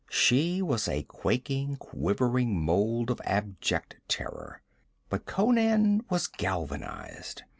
She was a quaking, quivering mold of abject terror. But Conan was galvanized.